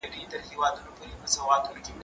هغه څوک چي درس لولي بريالی کيږي!.